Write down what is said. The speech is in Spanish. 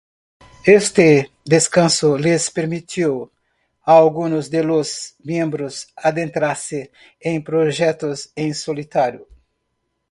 Este descanso les permitió a algunos de los miembros adentrarse en proyectos en solitario.